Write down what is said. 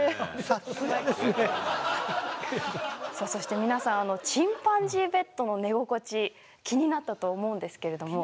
さあそして皆さんあのチンパンジーベッドの寝心地気になったと思うんですけれども。